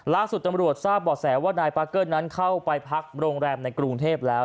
ล่าสุดตำรวจทราบบ่อแสว่านายปาเกอร์นั้นเข้าไปพักโรงแรมในกรุงเทพแล้ว